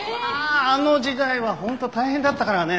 あの時代はホント大変だったからね。